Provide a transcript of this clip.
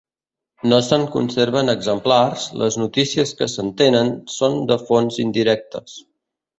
No se'n conserven exemplars, les notícies que se'n tenen són de fonts indirectes.